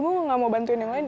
gue gak mau bantuin yang lain